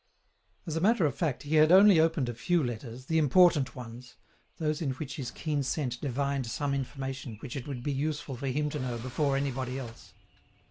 As a matter of fact he had only opened a few letters, the important ones, those in which his keen scent divined some information which it would be useful for him to know before anybody else.